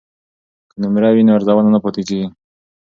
که نمره وي نو ارزونه نه پاتې کیږي.